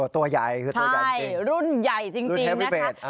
ตัวใหญ่คือตัวใหญ่จริงนะครับรุ่นเฮอร์วิเบส